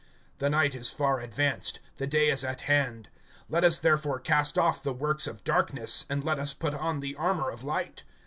(12)The night is far advanced, the day is at hand. Let us therefore cast off the works of darkness, and let us put on the armor of light.